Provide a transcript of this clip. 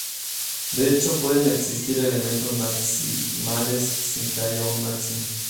De hecho, pueden existir elementos maximales sin que haya un máximo.